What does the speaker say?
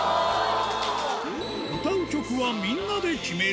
歌う曲はみんなで決める。